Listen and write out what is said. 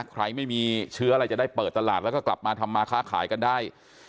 ใครไม่มีเชื้ออะไรจะได้เปิดตลาดแล้วก็กลับมาทำมาค้าขายกันได้